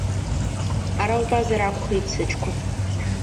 Ара утәазар акәхеит, сыҷкәын!